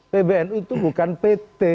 pbnu itu bukan pt